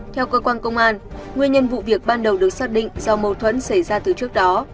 theo cơ quan công an nguyên nhân vụ việc ban đầu được xác định do mâu thuẫn xảy ra từ trước đó